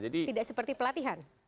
tidak seperti pelatihan